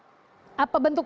apa bentuk perizinannya